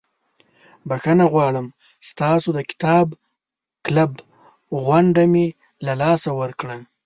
بخښنه غواړم ستاسو د کتاب کلب غونډه مې له لاسه ورکړه.